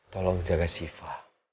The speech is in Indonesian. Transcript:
tolong jaga syifa